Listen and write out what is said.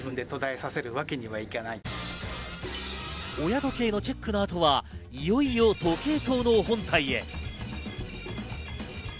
親時計のチェックの後はいよいよ時計塔の本体へ。